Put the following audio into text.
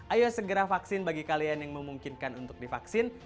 ayo segera vaksin bagi kalian yang memungkinkan untuk divaksin